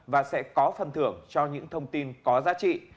và sẽ có phần thưởng cho những thông tin có giá trị